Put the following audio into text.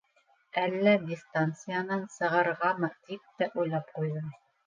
Әллә дистанциянан сығырғамы, тип тә уйлап ҡуйҙым.